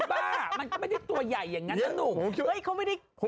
บ้ามันก็ไม่ได้ตัวใหญ่อย่างนั้นนะหนุ่ม